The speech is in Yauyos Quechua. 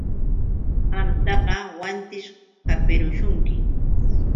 Qamtaqa wantićh hapirishunki.